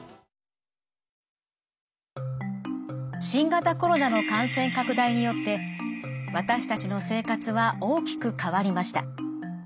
新型コロナの感染拡大によって私たちの生活は大きく変わりました。